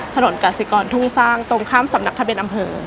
ถนนกาศิกรทุ่งสร้างตรงข้ามสำนักทะเบียนอำเภอ